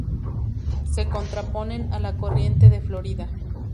Se contraponen a la corriente de Florida